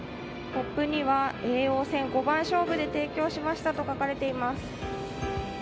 ポップには叡王戦五番勝負で提供しましたと書かれています。